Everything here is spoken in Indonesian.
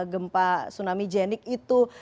gempa tsunami jenik itu